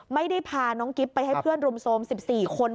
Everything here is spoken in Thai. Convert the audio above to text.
ไม่ได้พาน้องกิ๊บไปให้เพื่อนรุมโทรม๑๔คน